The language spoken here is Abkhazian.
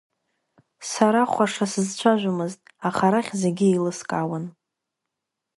Сара хәаша сызцәажәомызт, аха арахь зегьы еилыскаауан.